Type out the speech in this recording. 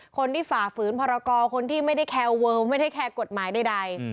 ฝ่าฝืนพรกรคนที่ไม่ได้แคลเวิลไม่ได้แคร์กฎหมายใด